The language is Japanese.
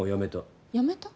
やめた。